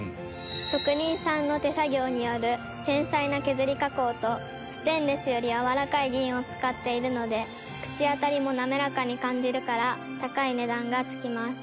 職人さんの手作業による繊細な削り加工とステンレスよりやわらかい銀を使っているので口当たりも滑らかに感じるから高い値段がつきます。